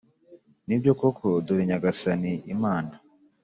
Ni byo koko, dore Nyagasani Imana !